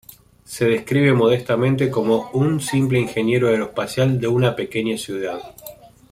Se describe modestamente como "un simple ingeniero aeroespacial de una pequeña ciudad".